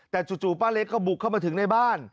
แต่จู่ป้าเล็กก็บุกเข้ามาถึงในบ้าน